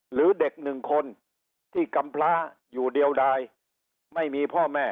หรือเด็กหนึ่งคนที่กำพลาอยู่เดียวใดไม่มีพ่อแม่